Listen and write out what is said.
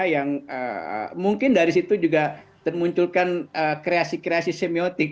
yang mungkin dari situ juga termunculkan kreasi kreasi semiotik